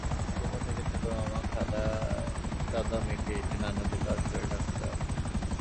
কোথা থেকে ছোট মামা কাদাটাদা মেখে এসে নানুকে তারস্বরে ডাকতে লাগল।